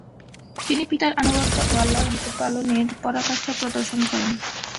তিনি পিতার আনুগত্য ও আল্লাহর হুকুম পালনের পরাকাষ্ঠা প্রদর্শন করেন।